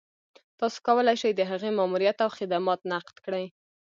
تاسو کولای شئ د هغې ماموريت او خدمات نقد کړئ.